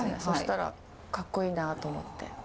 そしたらかっこいいなと思って。